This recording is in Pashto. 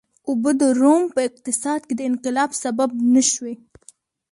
اوبه د روم په اقتصاد کې د انقلاب سبب نه شوې.